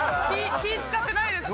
気遣ってないですかね。